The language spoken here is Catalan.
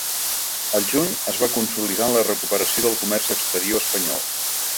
El juny es va consolidar la recuperació del comerç exterior espanyol.